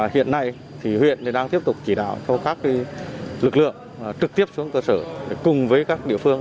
hiện nay huyện đang tiếp tục chỉ đạo cho các lực lượng trực tiếp xuống cơ sở cùng với các địa phương